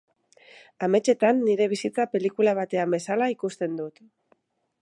Ametsetan nire bizitza pelikula batean bezala ikusten dut.